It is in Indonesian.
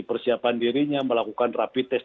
persiapan dirinya melakukan rapi tes